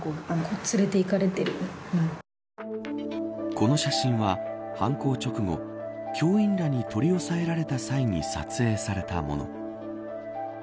この写真は犯行直後教員らに取り押さえられた際に撮影されたもの。